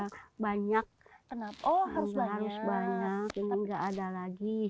harus banyak ini enggak ada lagi